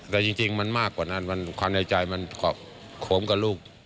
แต่จริงมันมากกว่านั้นความในใจมันกรอบโคมกับลูก